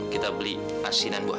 kita beli asinan buah